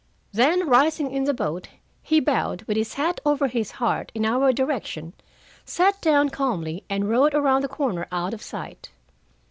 Then, rising in the boat, he bowed, with his hat over his heart, in our direction, sat down calmly, and rowed around the corner out of sight.